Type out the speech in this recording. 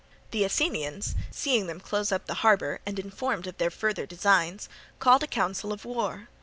The Athenians, seeing them closing up the harbour and informed of their further designs, called a council of war.